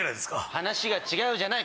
「話が違う」じゃない！